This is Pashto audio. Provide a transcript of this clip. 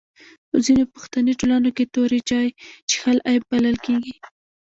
په ځینو پښتني ټولنو کي توري چای چیښل عیب بلل کیږي.